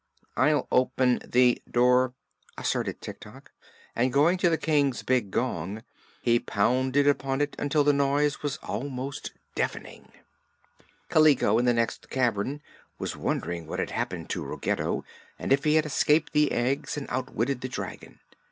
"I'll o pen the door," asserted Tik Tok, and going to the King's big gong he pounded upon it until the noise was almost deafening. Kaliko, in the next cavern, was wondering what had happened to Ruggedo and if he had escaped the eggs and outwitted the dragon.